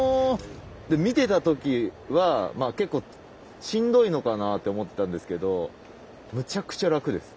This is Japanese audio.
見てた時は結構しんどいのかなと思ってたんですけどむちゃくちゃ楽です。